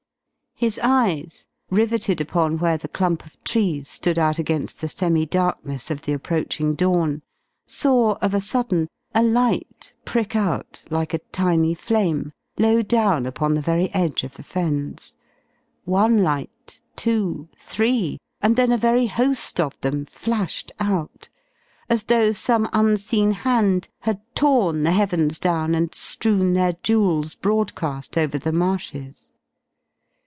His eyes, rivetted upon where the clump of trees stood out against the semi darkness of the approaching dawn, saw of a sudden a light prick out like a tiny flame, low down upon the very edge of the Fens. One light, two, three, and then a very host of them flashed out, as though some unseen hand had torn the heavens down and strewn their jewels broadcast over the marshes.